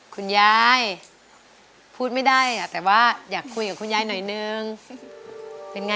กดดัน